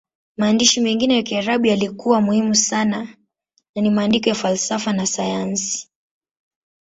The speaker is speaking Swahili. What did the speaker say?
Maandishi mengine ya Kiarabu yaliyokuwa muhimu sana ni maandiko ya falsafa na sayansi.